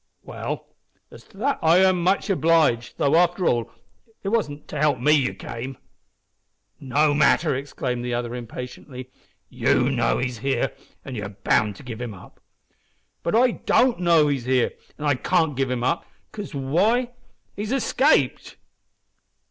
"Well, as to that I am much obliged, though, after all, it wasn't to help me you came." "No matter," exclaimed the other impatiently, "you know he is here, an' you're bound to give him up." "But I don't know that he's here, an' I can't give him up, cause why? he's escaped."